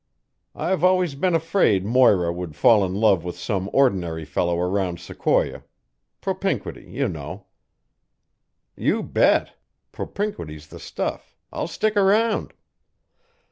I've always been afraid Moira would fall in love with some ordinary fellow around Sequoia propinquity, you know " "You bet. Propinquity's the stuff. I'll stick around."